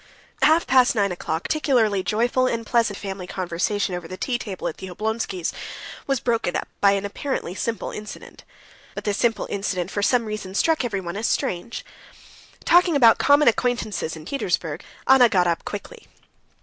At half past nine o'clock a particularly joyful and pleasant family conversation over the tea table at the Oblonskys' was broken up by an apparently simple incident. But this simple incident for some reason struck everyone as strange. Talking about common acquaintances in Petersburg, Anna got up quickly.